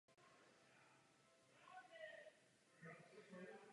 Poté nastoupila do Krajského divadla v Kolíně.